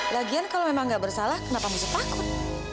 lagian kalau memang gak bersalah kenapa musuh takut